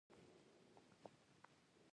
که پاکستان ته زموږ ژوند اهمیت نه لري.